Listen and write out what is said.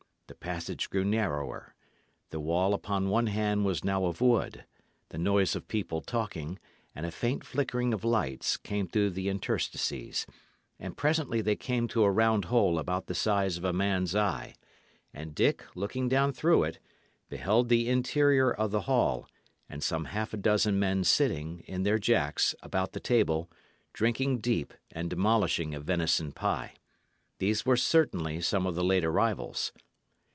The passage grew narrower; the wall upon one hand was now of wood; the noise of people talking, and a faint flickering of lights, came through the interstices; and presently they came to a round hole about the size of a man's eye, and Dick, looking down through it, beheld the interior of the hall, and some half a dozen men sitting, in their jacks, about the table, drinking deep and demolishing a venison pie. These were certainly some of the late arrivals.